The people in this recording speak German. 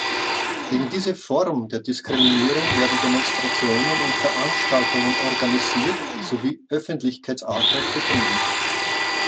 Gegen diese Form der Diskriminierung werden Demonstrationen und Veranstaltungen organisiert sowie Öffentlichkeitsarbeit betrieben.